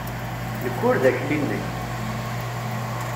Nekk ur d akli-nnek!